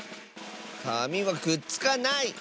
かみはくっつかない！